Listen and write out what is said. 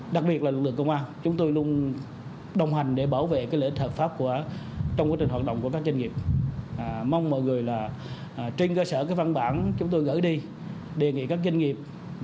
đề nghị các doanh nghiệp